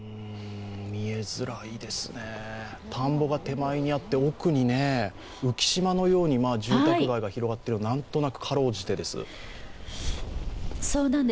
見えづらいですね、田んぼが手前にあって、奥に浮島のように住宅街が広がっているのは、何となく、かろうじてです。